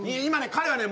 彼はね